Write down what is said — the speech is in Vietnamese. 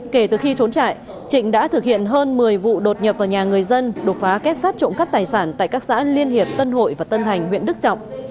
kể từ khi trốn trại trịnh đã thực hiện hơn một mươi vụ đột nhập vào nhà người dân đục phá kết sắt trộm các tài sản tại các xã liên hiệp tân hội và tân hành huyện đức trọng